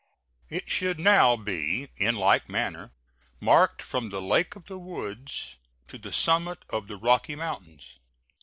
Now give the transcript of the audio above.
It should now be in like manner marked from the Lake of the Woods to the summit of the Rocky Mountains.